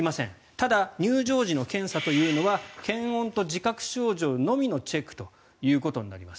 ただ、入場時の検査というのは検温と自覚症状のみのチェックということになります。